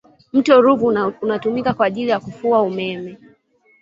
mto ruvu unatumika kwa ajili ya kufua umeme